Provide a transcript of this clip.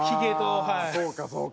ああそうかそうか。